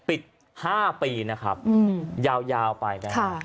ปิด๕ปียาวไป